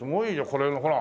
これほら。